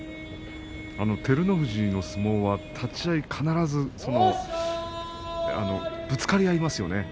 照ノ富士の相撲は立ち合い必ずぶつかり合いますよね。